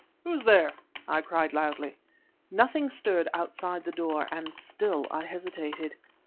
"Who's there?" I cried loudly. Nothing stirred outside the door, and still I hesitated.